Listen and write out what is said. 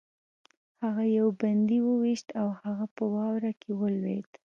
هغه یو بندي وویشت او هغه په واوره کې ولوېد